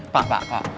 pak pak pak